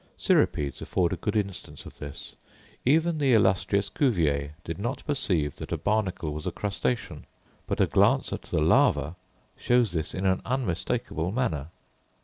Cirripedes afford a good instance of this: even the illustrious Cuvier did not perceive that a barnacle was a crustacean: but a glance at the larva shows this in an unmistakable manner.